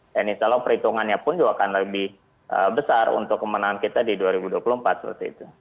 dan insya allah perhitungannya pun juga akan lebih besar untuk kemenangan kita di dua ribu dua puluh empat seperti itu